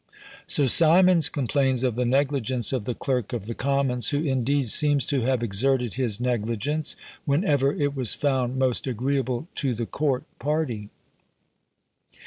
Sir Symonds complains of the negligence of the clerk of the commons, who indeed seems to have exerted his negligence, whenever it was found most agreeable to the court party.